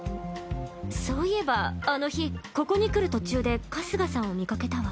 そういえばあの日ここに来る途中で春日さんを見かけたわ。